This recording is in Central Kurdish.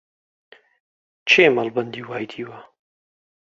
کێ مەڵبەندی وای دیوە؟